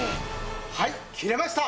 はい切れました。